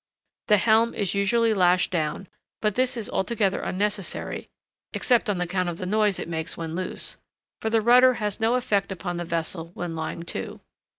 The helm is usually lashed down, but this is altogether unnecessary (except on account of the noise it makes when loose), for the rudder has no effect upon the vessel when lying to.